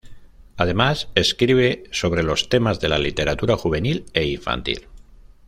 Además escribe sobre los temas de la literatura juvenil e infantil.